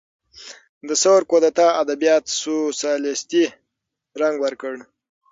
د ثور کودتا ادبیات سوسیالیستي رنګ ورکړ.